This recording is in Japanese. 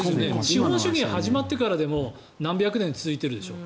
資本主義が始まってからでも何百年続いてるでしょ。